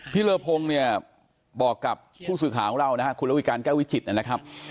เลอพงศ์เนี่ยบอกกับผู้สื่อข่าวของเรานะครับคุณระวิการแก้ววิจิตนะครับ